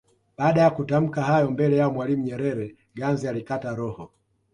Baada ya kutamka hayo mbele ya Mwalimu Nyerere Ganze alikata roho